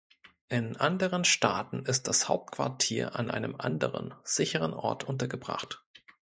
In anderen Staaten ist das Hauptquartier an einem anderen, sicheren Ort untergebracht.